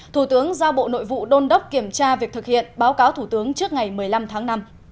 thủ tướng giao bộ nội vụ đôn đốc kiểm tra việc thực hiện báo cáo thủ tướng trước ngày một mươi năm tháng năm